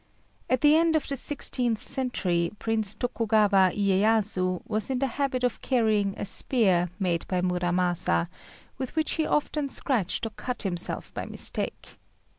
At the end of the sixteenth century Prince Tokugawa Iyéyasu was in the habit of carrying a spear made by Muramasa, with which he often scratched or cut himself by mistake.